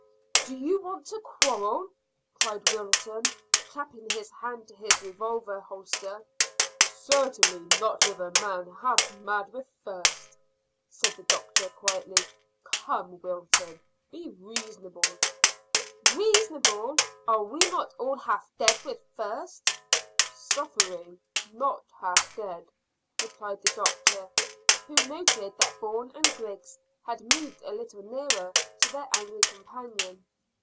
"Do you want to quarrel?" cried Wilton, clapping his hand to his revolver holster. "Certainly not with a man half mad with thirst," said the doctor quietly. "Come, Wilton, be reasonable." "Reasonable! Are we not all half dead with thirst?" "Suffering, not half dead," replied the doctor, who noted that Bourne and Griggs had moved a little nearer to their angry companion.